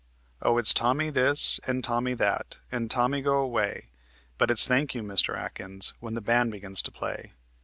"Oh, it's 'Tommy this' and 'Tommy that' an' 'Tommy, go away'; But it's 'Thank you, Mr. Atkins,' when the band begins to play."